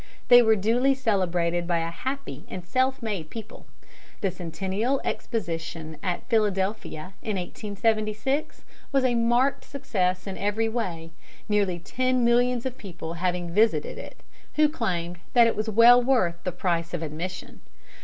They were duly celebrated by a happy and self made people. The Centennial Exposition at Philadelphia in 1876 was a marked success in every way, nearly ten millions of people having visited it, who claimed that it was well worth the price of admission.